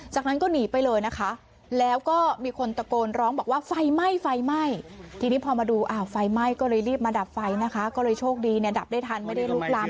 จากนั้นก็หนีไปเลยนะคะแล้วก็มีคนตะโกนร้องบอกว่าไฟไหม้ไฟไหม้